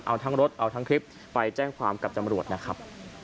เอาทั้งรถเอาทั้งคลิปไปแจ้งความกับตำรวจนะครับ